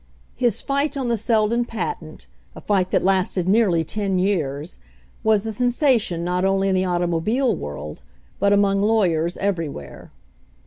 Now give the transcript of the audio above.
His fight on the Seldon patent — a fight that lasted nearly ten years — was a sensation not only in the automo bile world, but among lawyers everywhere.